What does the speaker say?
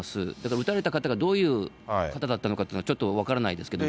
撃たれた方がどういう方だったのかっていうのは、ちょっと分からないですけども。